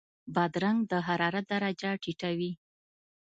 بادرنګ د حرارت درجه ټیټوي.